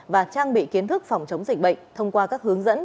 và trang bị kiến thức phòng chống dịch bệnh thông qua các hướng dẫn